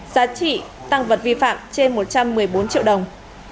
giá trị tăng vật vi phạm trên một trăm một mươi bốn triệu đồng